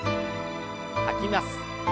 吐きます。